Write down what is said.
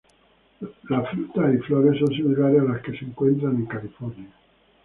Las frutas y flores son similares a las que se encuentran en California.